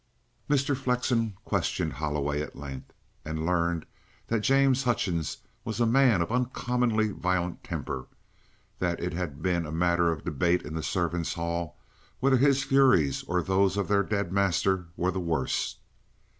Mr. Flexen questioned Holloway at length, and learned that James Hutchings was a man of uncommonly violent temper; that it had been a matter of debate in the servants' hall whether his furies or those of their dead master were the worse.